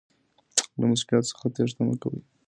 له مسؤلیت څخه تیښته مه کوئ.